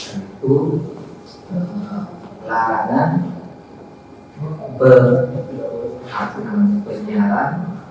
yaitu pelarangan perlakuan penyiaran